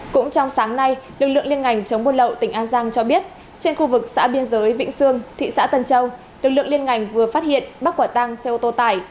cũng trong sáng nay lực lượng liên ngành chống buôn lậu tỉnh an giang cho biết trên khu vực xã biên giới vĩnh sương thị xã tân châu lực lượng liên ngành vừa phát hiện bắt quả tăng xe ô tô tải